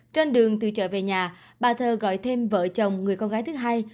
trên đường từ chợ về nhà bà thơ gọi thêm vợ chồng người con gái thứ hai